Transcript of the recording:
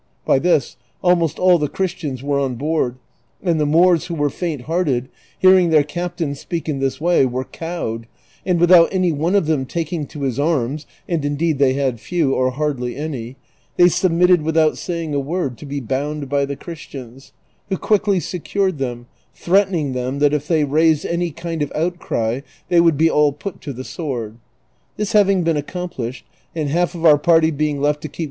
By this almost all the Cln istians were on board, and the JNloors, who were faint liearted, hearing their captain speak in this way, were cowed, and without any one of them taking to his arms (and indeed they had few or hardly any) they submitted without saying a word to be bound by the Christians, who quickly secured them, threatening them that if they raised any kind of outciy they would be all put to the sword. This having been aceoni|)lished, and half of our party being left to keej?